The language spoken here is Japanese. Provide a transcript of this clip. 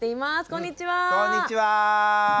こんにちは。